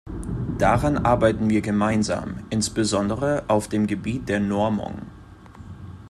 Daran arbeiten wir gemeinsam, insbesondere auf dem Gebiet der Normung.